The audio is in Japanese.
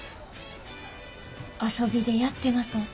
遊びでやってません。